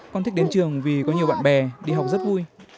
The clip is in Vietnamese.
con thích đến trường vì có nhiều bạn bè đi học rất vui